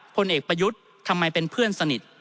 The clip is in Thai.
พลเอกประยุทธ์ทำไมเป็นเพื่อนสนิท